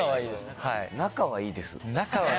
「仲はいいです」？